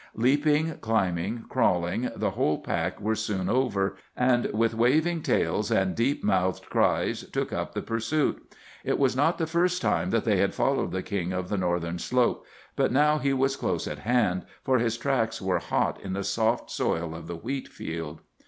Leaping, climbing, crawling, the whole pack were soon over, and with waving tails and deep mouthed cries took up the pursuit. It was not the first time that they had followed the King of the Northern Slope, but now he was close at hand, for his tracks were hot in the soft soil of the wheat field.